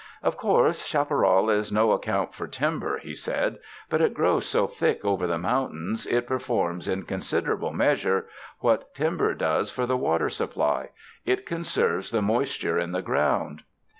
"Of course, chaparral's no account for timber," he said, "but it grows so thick over the mountains, it performs, in considerable measure, what timber does for the water supply — it conserves the mois ture in the ground.